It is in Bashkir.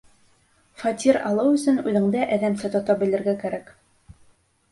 Фатир алыу өсөн үҙеңде әҙәмсә тота белергә кәрәк.